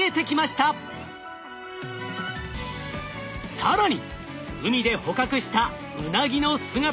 更に海で捕獲したウナギの姿は？